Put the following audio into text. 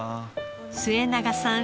末永さん